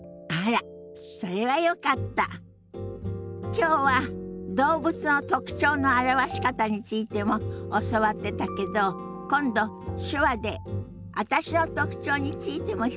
きょうは動物の特徴の表し方についても教わってたけど今度手話で私の特徴についても表現してくださらない？